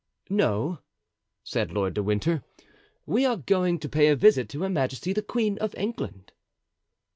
"No," said Lord de Winter, "we are going to pay a visit to Her Majesty the Queen of England."